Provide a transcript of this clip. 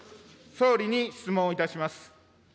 総理に質問をいたします。